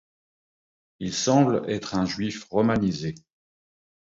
Il semble être un Juif romanisé.